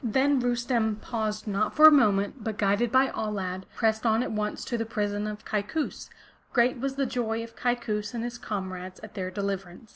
Then Rustem paused not for a moment, but guided by Aulad, pressed on at once to the prison of Kaikous. Great was the joy of Kaikous and his comrades at their deliverance.